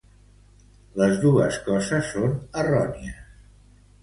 Les dos coses són errònies.